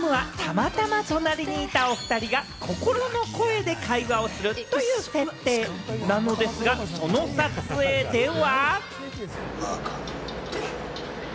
ＣＭはたまたま隣にいた人たちが心の会話をするという設定なのですが、その撮影では。